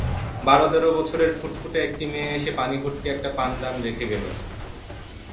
বার-তের বছরের ফুটফুটে একটি মেয়ে এসে পানিভর্তি একটা পানদান রেখে গেল।